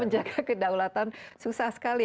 mereka kedaulatan susah sekali